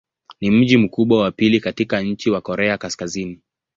Ni mji mkubwa wa pili katika nchi wa Korea Kaskazini.